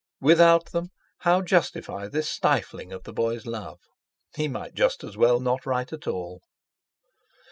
Without them, how justify this stiffing of the boy's love? He might just as well not write at all!